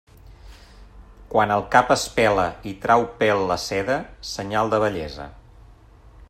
Quan el cap es pela i trau pèl la seda, senyal de vellesa.